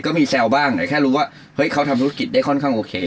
ก็มีแซวบ้างแต่แค่รู้ว่าเฮ้ยเขาทำธุรกิจได้ค่อนข้างโอเค